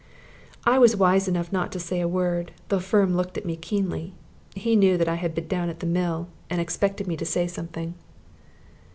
I was wise enough not to say a word, though Firm looked at me keenly. He knew that I had been down at the mill, and expected me to say something.